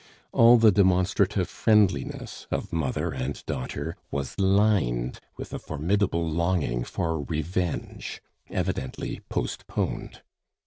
All the demonstrative friendliness of mother and daughter was lined with a formidable longing for revenge, evidently postponed.